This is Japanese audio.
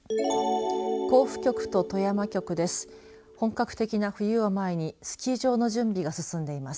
甲府局と富山局です。